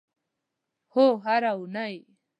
هو، هره اونۍ